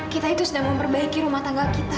kita itu sedang memperbaiki rumah tangga kita